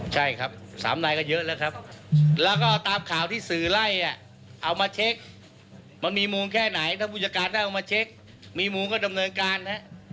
ใช่ครับสามนายก็เยอะแล้วครับแล้วก็ตามข่าวที่สื่อไล่เอามาเช็คมันมีมูลแค่ไหนถ้าผู้จัดการได้เอามาเช็คมีมูลก็ดำเนินการนะฮะ